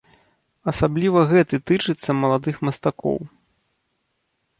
Асабліва гэты тычыцца маладых мастакоў.